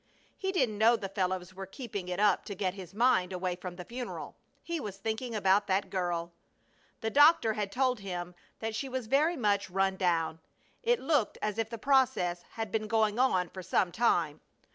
He didn't know the fellows were keeping it up to get his mind away from the funeral. He was thinking about that girl. The doctor had told him that she was very much run down. It looked as if the process had been going on for some time.